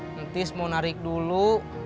nanti mau narik dulu